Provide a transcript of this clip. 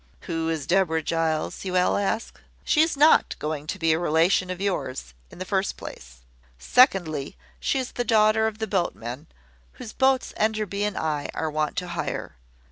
`Who is Deborah Giles?' you will ask. She is not going to be a relation of yours, in the first place. Secondly, she is the daughter of the boatman whose boats Enderby and I are wont to hire.